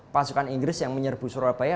pasukan inggris yang menyerbu surabaya